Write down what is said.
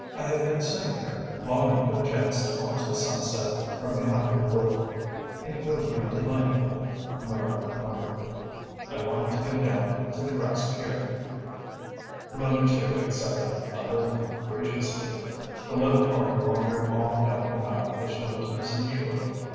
"I have been sitting here, longing for the chance to watch the sunset from behind your wood." "It will be delightful," Nora murmured. "I want to go down to the grass pier." Miller too accepted, a little ungraciously. The little party wandered off down the path which led to the seashore.